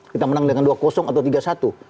kita menang dengan dua atau tiga satu